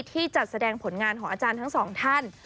ที่จัดแสดงผลงานของอาจารย์ทั้งสองท่าน